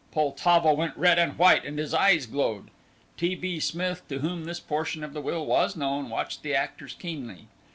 Poltavo went red and white and his eyes glowed. T. B. Smith, to whom this portion of the will was known, watched the actors keenly.